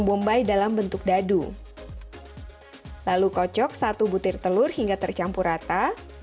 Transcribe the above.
bombay dalam bentuk dadu lalu kocok satu butir telur hingga tercampur rata